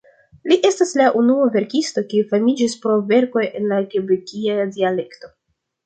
Li estas la unua verkisto, kiu famiĝis pro verkoj en la kebekia dialekto.